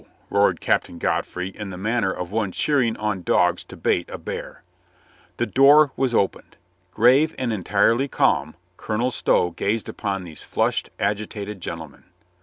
roared Captain Godfrey in the manner of one cheering on dogs to bait a bear. The door was opened. Grave and entirely calm, Colonel Stow gazed upon these flushed, agitated gentlemen.